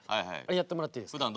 やってもらっていいですか？